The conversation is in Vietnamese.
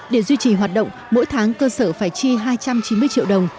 để duy trì hoạt động mỗi tháng cơ sở phải chi hai trăm chín mươi triệu đồng